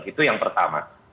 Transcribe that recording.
itu yang pertama